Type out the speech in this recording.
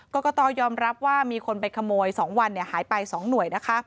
กรกตยอมรับว่ามีคนไปขโมย๒วันหายไป๒หน่วยนะคะ